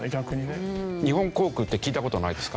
日本航空って聞いた事ないですか？